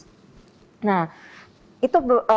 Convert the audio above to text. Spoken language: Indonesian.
nah itu penyakit jantung itu yang terjadi